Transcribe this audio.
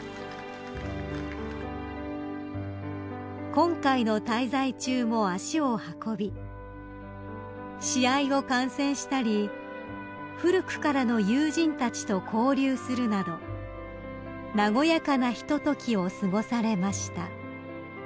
［今回の滞在中も足を運び試合を観戦したり古くからの友人たちと交流するなど和やかなひとときを過ごされました］